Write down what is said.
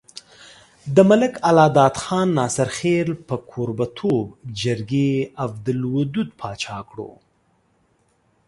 د ملک الله داد خان ناصرخېل په کوربه توب جرګې عبدالودو باچا کړو۔